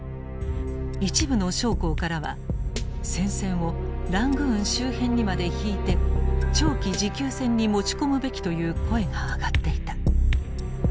一部の将校からは戦線をラングーン周辺にまで引いて長期持久戦に持ち込むべきという声が上がっていた。